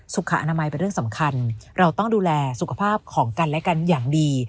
สุขอนามัยเป็นเรื่องสำคัญเราต้องดูแลสุขภาพของกันและกันอย่างดี